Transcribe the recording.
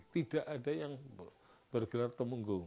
tidak ada yang bergelar temenggung